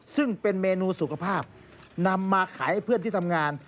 ซึ่งเป็นเมนูสุขภาพนำมาขายให้เพื่อนที่ทำงาน